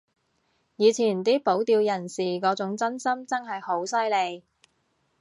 以前啲保釣人士嗰種真心真係好犀利